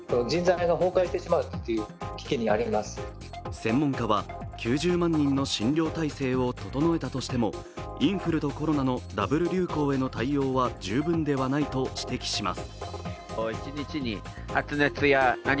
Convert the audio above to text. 専門家は、９０万人の診療体制を整えたとしても、インフルとコロナのダブル流行への対応は十分ではないと指摘します。